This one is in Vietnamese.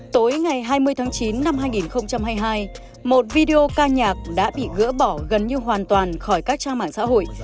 tối ngày hai mươi tháng chín năm hai nghìn hai mươi hai một video ca nhạc đã bị gỡ bỏ gần như hoàn toàn khỏi các trang mạng xã hội